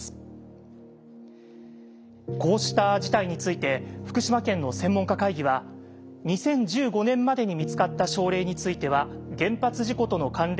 こうした事態について福島県の専門家会議は２０１５年までに見つかった症例については原発事故との関連は認められないと報告。